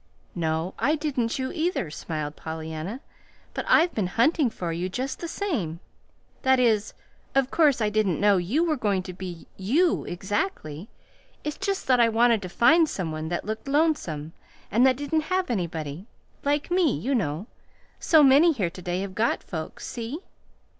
"No, I didn't you, either," smiled Pollyanna; "but I've been hunting for you, just the same. That is, of course I didn't know you were going to be YOU exactly. It's just that I wanted to find some one that looked lonesome, and that didn't have anybody. Like me, you know. So many here to day have got folks. See?"